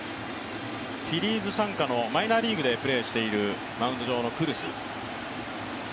フィリーズ傘下のマイナーリーグでプレーしているマウンド上のクルス。